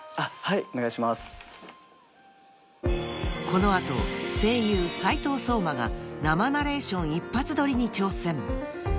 ［この後声優斉藤壮馬が生ナレーション一発どりに挑戦］